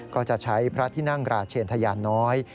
ก็จะใช้พระที่นั่งราชเชนทะยานน้อย